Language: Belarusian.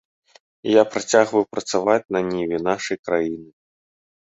І я працягваю працаваць на ніве нашай краіны.